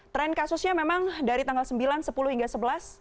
tren kasusnya memang dari tanggal sembilan sepuluh hingga sebelas